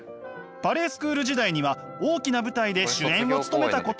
バレエスクール時代には大きな舞台で主演を務めたことも。